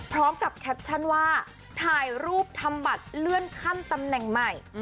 แคปชั่นว่าถ่ายรูปทำบัตรเลื่อนขั้นตำแหน่งใหม่